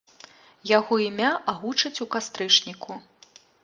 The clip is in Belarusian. Яго імя агучаць у кастрычніку.